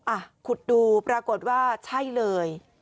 อ่ะขุดดูปรากฏว่าใช่เลย